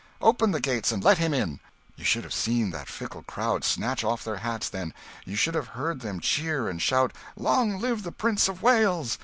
Open the gates, and let him in!" You should have seen that fickle crowd snatch off their hats then. You should have heard them cheer, and shout, "Long live the Prince of Wales!"